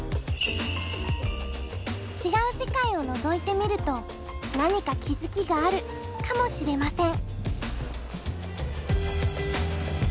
違う世界をのぞいてみると何か気付きがあるかもしれません。